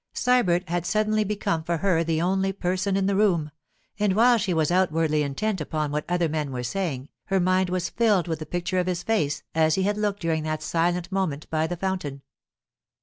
Sybert had suddenly become for her the only person in the room, and while she was outwardly intent upon what other men were saying, her mind was filled with the picture of his face as he had looked during that silent moment by the fountain.